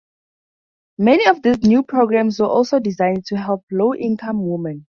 Many of these new programs were also designed to help low-income women.